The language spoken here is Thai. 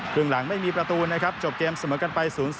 ครึ่งหลังไม่มีประตูนะครับจบเกมเสมอกันไป๐๐